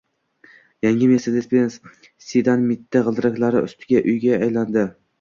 Yangi Mercedes-Benz Citan mitti g‘ildiraklar ustidagi uyga aylandi